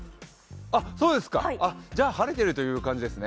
じゃ、晴れてるって感じですね。